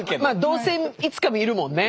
どうせいつか見るもんね。